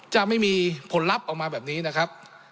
จะไม่มีผลลัพธ์ออกมาแบบนี้นะครับ